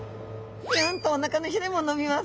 ピョンとおなかのひれも伸びます。